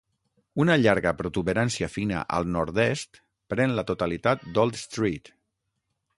Una llarga protuberància fina al nord-est pren la totalitat d'Old Street.